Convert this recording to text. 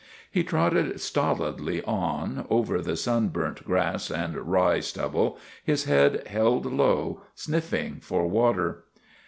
He trotted stolidly on, over the sun burnt grass and rye stubble, his head held low, sniffing for water.